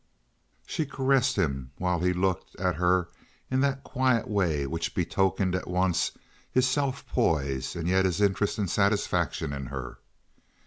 She caressed him while he looked at her in that quiet way which betokened at once his self poise and yet his interest and satisfaction in her.